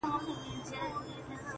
ښه موده کيږي چي هغه مجلس ته نه ورځمه,